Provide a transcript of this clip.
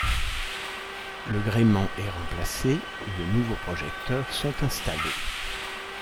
Le gréement est remplacé, de nouveaux projecteurs sont installés.